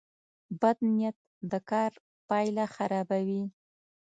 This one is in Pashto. بد نیت د کار پایله خرابوي.